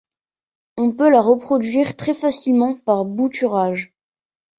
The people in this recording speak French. On peut la reproduire très facilement par bouturage.